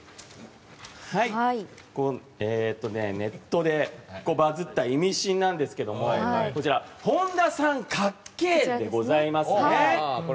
ネットでバズったイミシンなんですがこちら、本田△でございますね。